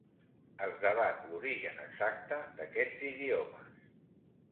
Es debat l'origen exacte d'aquests idiomes.